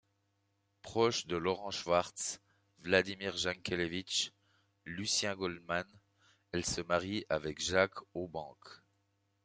Proche de Laurent Schwartz, Vladimir Jankélévitch, Lucien Goldmann, elle se marie avec Jacques Aubenque.